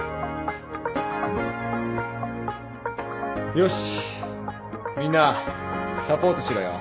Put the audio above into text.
よしみんなサポートしろよ。